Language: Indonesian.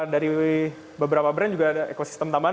dari beberapa brand juga ada ekosistem tambahan